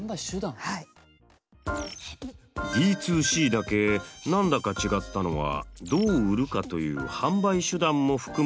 Ｄ２Ｃだけ何だか違ったのはどう売るかという販売手段も含むからだったんですね。